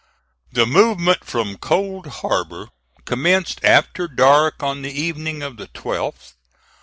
The movement from Cold Harbor commenced after dark on the evening of the 12th.